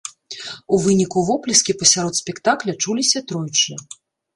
У выніку воплескі пасярод спектакля чуліся тройчы.